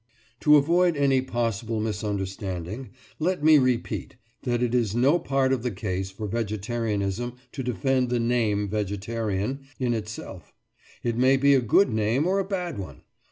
To avoid any possible misunderstanding, let me repeat that it is no part of the case for vegetarianism to defend the name "vegetarian" in itself; it may be a good name or a bad one.